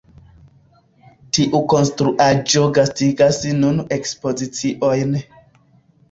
Tiu konstruaĵo gastigas nun ekspoziciojn.